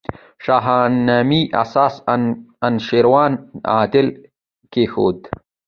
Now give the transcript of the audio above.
شاهنامې اساس انوشېروان عادل کښېښود.